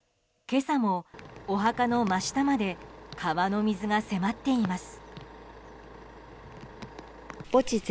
今朝もお墓の真下まで川の水が迫っています。